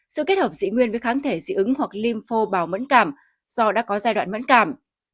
sự kết hợp dị nguyên với kháng thể dị ứng hoặc lymphobalm mẫn cảm do đã có giai đoạn mẫn cảm